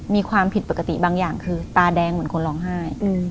มีความผิดปกติบางอย่างคือตาแดงเหมือนคนร้องไห้